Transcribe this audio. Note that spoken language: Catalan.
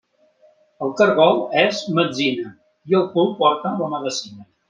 El caragol és metzina i al cul porta la medecina.